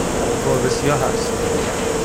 گربه سیاه است.